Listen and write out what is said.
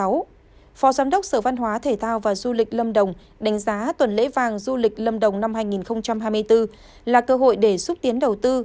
phó giám đốc sở văn hóa thể thao và du lịch lâm đồng đánh giá tuần lễ vàng du lịch lâm đồng năm hai nghìn hai mươi bốn là cơ hội để xúc tiến đầu tư